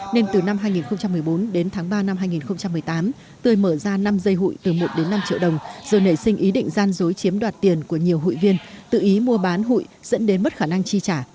nên từ năm hai nghìn một mươi bốn đến tháng ba năm hai nghìn một mươi tám tươi mở ra năm dây hụi từ một đến năm triệu đồng rồi nể sinh ý định gian dối chiếm đoạt tiền của nhiều hụi viên tự ý mua bán hụi dẫn đến mất khả năng chi trả